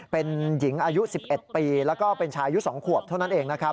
เป็นหญิงอายุ๑๑ปีแล้วก็เป็นชายอายุ๒ขวบเท่านั้นเองนะครับ